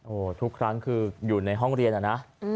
โอ้โหทุกครั้งคืออยู่ในห้องเรียนอะนะ